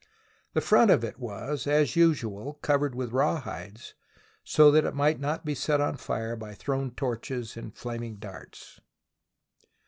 The front of it was, as usual, covered with rawhides, so that it might not be set on fire by thrown torches and flaming darts.